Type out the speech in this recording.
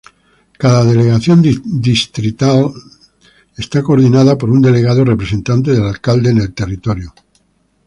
Cada delegación distrital está coordinada por un delegado representante del alcalde en el territorio.